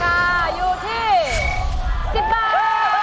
ราคาอยู่ที่๑๐บาท